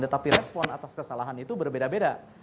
tetapi respon atas kesalahan itu berbeda beda